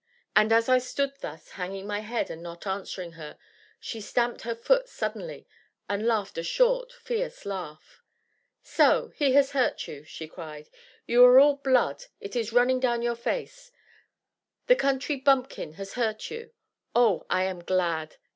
And, as I stood thus, hanging my head, and not answering her, she stamped her foot suddenly, and laughed a short, fierce laugh. "So he has hurt you?" she cried; "you are all blood it is running down your face the Country Bumpkin has hurt you! Oh, I am glad!